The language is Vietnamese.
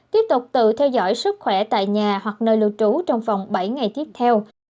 tiếp tục tự theo dõi sức khỏe tại nhà hoặc nơi lưu trú trong vòng bảy ngày tiếp theo